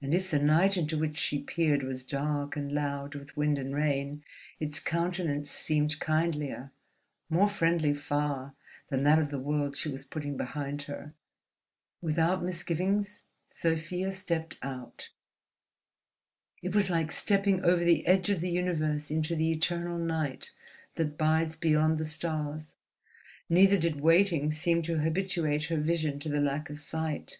And if the night into which she peered was dark and loud with wind and rain, its countenance seemed kindlier, more friendly far than that of the world she was putting behind her. Without misgivings Sofia stepped out. It was like stepping over the edge of the universe into the eternal night that bides beyond the stars. Neither did waiting seem to habituate her vision to the lack of light.